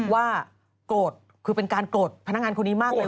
ว่าโกรธคือเป็นการโกรธพนักงานคนนี้มากเลย